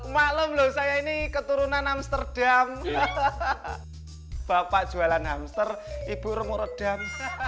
malam loh saya ini keturunan amsterdam hahaha bapak jualan hamster ibu remorodam